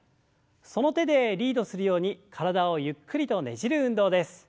その手でリードするように体をゆっくりとねじる運動です。